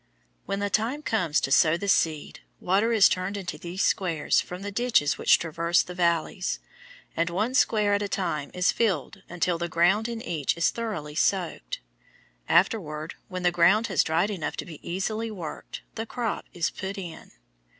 When the time comes to sow the seed, water is turned into these squares from the ditches which traverse the valleys, and one square at a time is filled until the ground in each is thoroughly soaked. Afterward, when the ground has dried enough to be easily worked, the crop is put in.